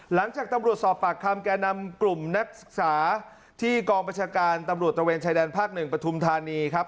หลังจากตำรวจสอบปากคำแก่นำกลุ่มนักศึกษาที่กองประชาการตำรวจตระเวนชายแดนภาค๑ปฐุมธานีครับ